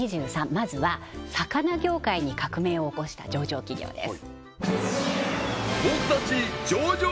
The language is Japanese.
まずは魚業界に革命を起こした上場企業です